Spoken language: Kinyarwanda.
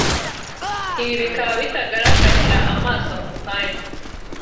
Ibi bikaba bitagaragarira amaso ako kanya